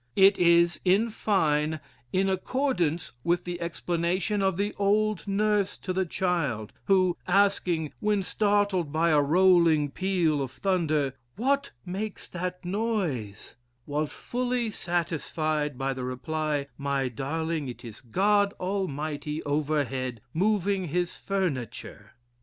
It is, in fine, in accordance with the explanation of the old nurse to the child, who, asking, when startled by a rolling peal of thunder 'what makes that noise' was fully satisfied by the reply: 'my darling, it is God Almighty overhead moving his furniture.'